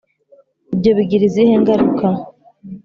Ibyo bigira izihe ngaruka